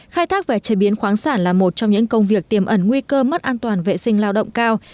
khai thác và chế biến khoáng sản là một trong những công việc tiềm ẩn nguy cơ mất an toàn vệ sinh lao động cao